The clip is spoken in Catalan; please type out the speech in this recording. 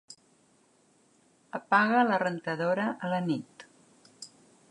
Apaga la rentadora a la nit.